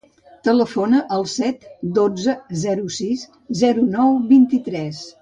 Telefona al set, dotze, zero, sis, zero, nou, vint-i-tres.